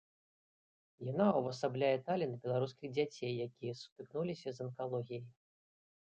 Яна ўвасабляе талент беларускіх дзяцей, якія сутыкнуліся з анкалогіяй.